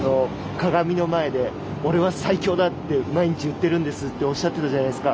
鏡の前で俺は最強だって毎日言ってるんですとおっしゃっていたじゃないですか。